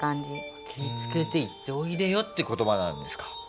「気をつけて行っておいでよ」って言葉なんですか？